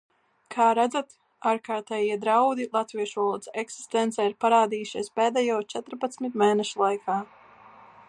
Kā redzat, ārkārtējie draudi latviešu valodas eksistencei ir parādījušies pēdējo četrpadsmit mēnešu laikā.